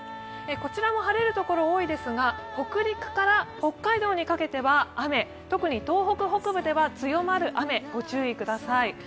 こちらも晴れるところ多いですが、北陸から北海道にかけては雨特に東北北部では強まる雨にご注意ください。